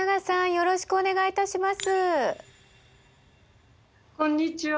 よろしくお願いします。